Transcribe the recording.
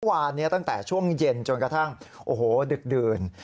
เมื่อวานนี้ตั้งแต่ช่วงเย็นจนกระทั่งโอโหดึกดื่น